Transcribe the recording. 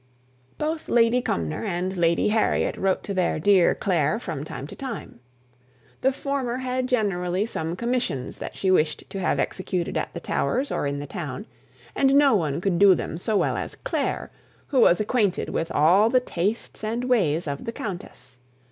Both Lady Cumnor and Lady Harriet wrote to their "dear Clare" from time to time. The former had generally some commissions that she wished to have executed at the Towers, or in the town; and no one could do them so well as Clare, who was acquainted with all the tastes and ways of the countess.